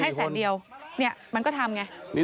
มันให้แสนเดียวนี่มันก็ทำอย่างนี้